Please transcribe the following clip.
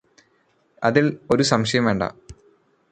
അതിൽ ഒരു സംശയവും വേണ്ട.